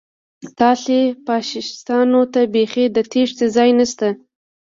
تاسې فاشیستانو ته بیخي د تېښتې ځای نشته